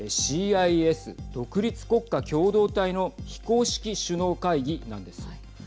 ＣＩＳ＝独立国家共同体の非公式首脳会議なんです。